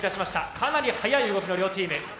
かなり速い動きの両チーム。